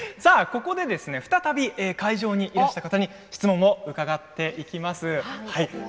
ここで再び会場にいらした方に、質問を伺っていきます。